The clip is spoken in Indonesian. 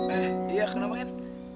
eh iya kenapa ken